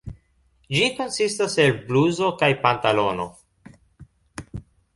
Ĝi konsistas el bluzo kaj pantalono.